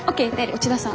内田さん